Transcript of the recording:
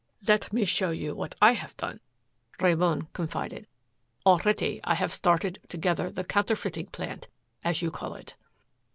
"Let me show you what I have done," Ramon confided. "Already, I have started together the 'counterfeiting plant,' as you call it."